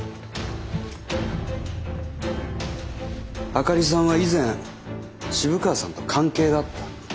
灯里さんは以前渋川さんと関係があった。